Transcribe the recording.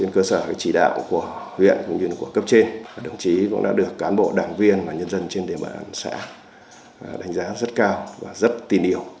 cán bộ đảng viên và nhân dân trên địa bàn xã đánh giá rất cao và rất tin yêu